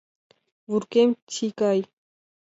Вургем тий гай.